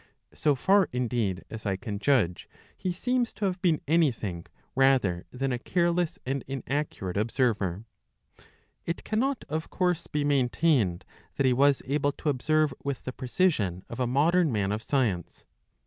So far, indeed, as I can judge, he seems to have] been anything rather than a careless and inaccurate observer. It cannot, of course, be maintained that he was able to observe with the precision of a modern man of science.